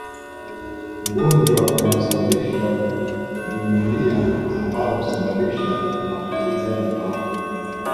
Ugonjwa unaosababisha nyumonia ambao usababisha maambukizi ya mapafu